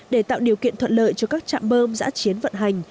để tạo điều kiện thuận lợi cho các trạm bơm giã chiến vận hành